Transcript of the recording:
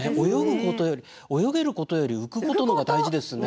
泳げることより浮くことのほうが大事ですね。